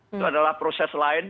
itu adalah proses lain